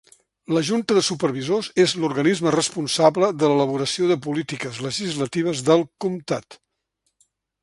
La Junta de supervisors és l'organisme responsable de l'elaboració de polítiques legislatives del comtat.